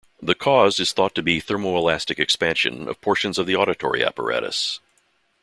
The cause is thought to be thermoelastic expansion of portions of the auditory apparatus.